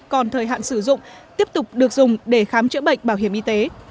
còn thời hạn sử dụng tiếp tục được dùng để khám chữa bệnh bảo hiểm y tế